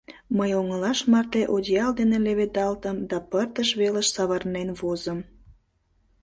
Мый оҥылаш марте одеял дене леведалтым да пырдыж велыш савырнен возым.